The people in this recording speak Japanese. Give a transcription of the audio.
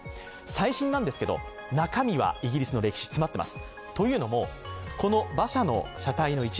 最新なんですけど、中身はイギリスの歴史、詰まってます。